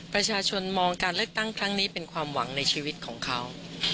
ประชาชนมองการเลือกตั้งครั้งนี้เป็นความหวังในชีวิตของเขา